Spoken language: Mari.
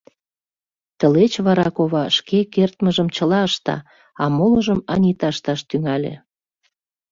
Тылеч вара кова шке кертмыжым чыла ышта, а молыжым Анита ышташ тӱҥале.